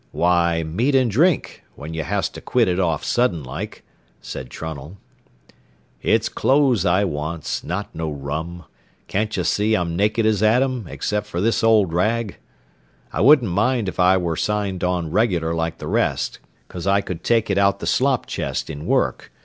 "Why, meat an' drink, when ye has to quit it off sudden like," said Trunnell. "It's clothes I wants, not no rum. Can't ye see I'm nakid as Adam, except fer this old rag? I wouldn't mind if I ware signed on regular like the rest, 'cause I could take it out the slop chest in work.